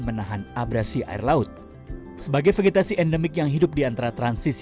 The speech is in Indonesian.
menahan abrasi air laut sebagai vegetasi endemik yang hidup diantara transisi